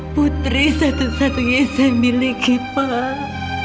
putri satu satunya yang saya miliki pak